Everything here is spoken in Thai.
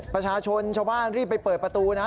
ประชาชนชาวบ้านรีบไปเปิดประตูนะ